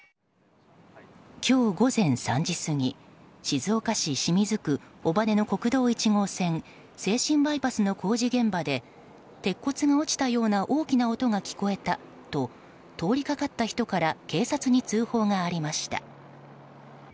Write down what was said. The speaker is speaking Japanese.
今日午前３時過ぎ静岡市清水区尾羽の国道１号線静清バイパスの工事現場で鉄骨が落ちたような大きな音が聞こえたと通りかかった人から警察に通報がありました。